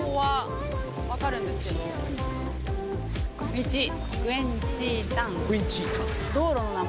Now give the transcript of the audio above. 「道グエン・チー・タン」。